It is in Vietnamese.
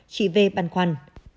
chị v băn khoăn